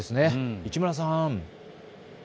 市村さん。